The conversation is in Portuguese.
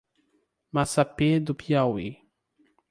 Massapê do Piauí